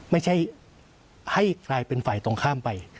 ไม่ใช่ให้ใครเป็นฝ่ายตรงข้ามไป